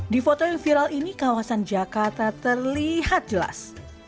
di foto yang viral ini kawasan jakarta terlihat jelas